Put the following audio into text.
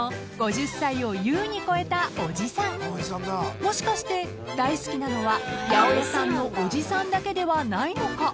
［もしかして大好きなのは八百屋さんのおじさんだけではないのか？］